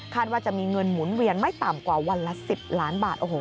ว่าจะมีเงินหมุนเวียนไม่ต่ำกว่าวันละ๑๐ล้านบาท